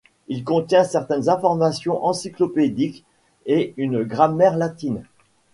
Il contient certaines informations encyclopédiques et une grammaire latine.